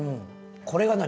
これが何？